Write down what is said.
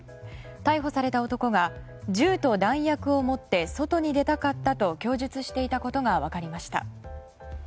逮捕された男が銃と弾薬を持って外に出たかったと供述していたことが分かりました。